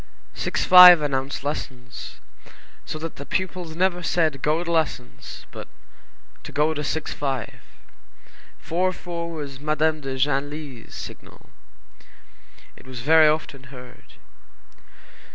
Six five announced lessons, so that the pupils never said "to go to lessons," but "to go to six five." Four four was Madame de Genlis's signal. It was very often heard.